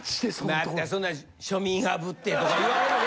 またそんな庶民派ぶってとか言われるで？